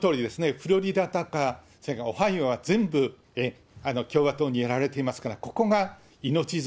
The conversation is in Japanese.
フロリダとかオハイオは全部共和党にやられていますから、ここが命綱。